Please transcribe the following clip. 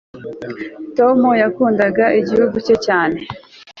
Tom yakundaga igihugu cye cyane